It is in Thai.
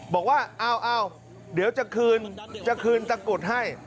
บอกว่าเอาเดี๋ยวจะคืนจะคืนตะกรุดให้